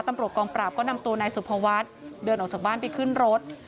ตำรวจกองปราบก็นำตัวนายสุภวัฒน์เดินออกจากบ้านไปขึ้นรถ